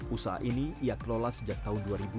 usaha ini ia kelola sejak tahun dua ribu